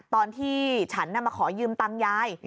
ตอนที่ฉันมาขอยืมตังค์ยาย